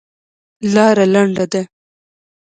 لاره لنډه ده.